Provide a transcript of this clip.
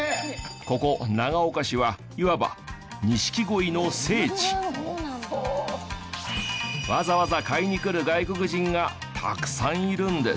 ここ長岡市はいわばわざわざ買いに来る外国人がたくさんいるんです。